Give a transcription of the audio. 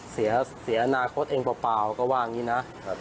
เสียอนาคตเองเปล่าก็ว่าอย่างนี้นะ